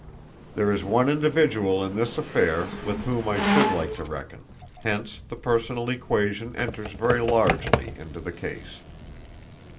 There is one individual in this affair with whom I should like to reckon, hence the personal equation enters very largely into the case."